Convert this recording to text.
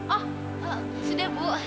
oh sudah bu